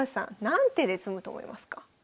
何手で詰むと思いますか？